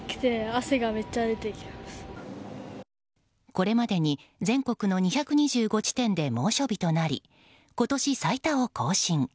これまでに全国の２２５地点で猛暑日となり今年最多を更新。